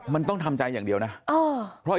มันต้องทำใจอย่างเดียวนะ